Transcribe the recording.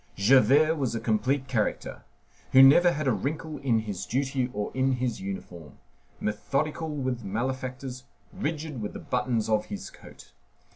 Javert was a complete character, who never had a wrinkle in his duty or in his uniform; methodical with malefactors, rigid with the buttons of his coat.